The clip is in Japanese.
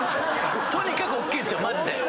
とにかくおっきいっすよマジで。